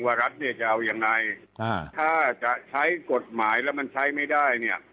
รัฐเนี่ยจะเอายังไงถ้าจะใช้กฎหมายแล้วมันใช้ไม่ได้เนี่ย